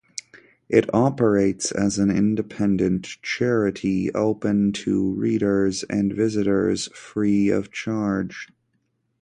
It operates as an independent charity, open to readers and visitors free of charge.